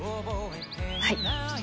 はい。